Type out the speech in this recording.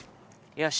よし！